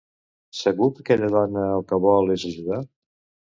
Segur que aquella dona el que vol és ajudar?